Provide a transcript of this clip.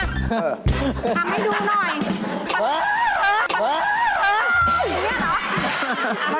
ทำให้ดูหน่อย